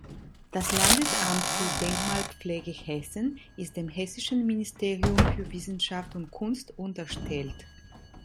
Das Landesamt für Denkmalpflege Hessen ist dem Hessischen Ministerium für Wissenschaft und Kunst unterstellt.